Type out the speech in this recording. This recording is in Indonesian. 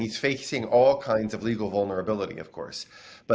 dia menghadapi banyak kegagalan legal tentu saja